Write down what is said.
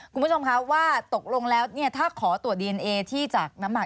คุณผู้ชมคะว่าตกลงแล้วเนี่ยถ้าขอตรวจดีเอนเอที่จากน้ำหมาก